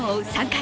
３回。